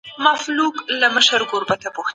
نورو ته ضرر رسول په دین کي نسته.